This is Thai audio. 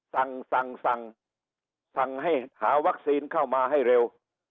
สั่งสั่งให้หาวัคซีนเข้ามาให้เร็ว